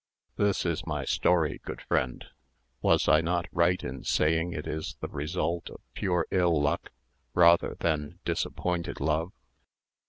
This is my story, good friend: was I not right in saying it is the result of pure ill luck, rather than disappointed love?